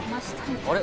あれ？